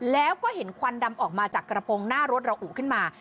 แล้วก็เห็นควันดำออกมาจากกระโปรงหน้ารถเราอุขึ้นมา